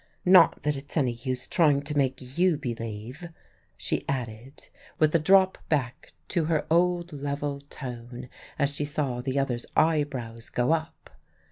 Not that it's any use trying to make you believe," she added, with a drop back to her old level tone as she saw the other's eyebrows go up.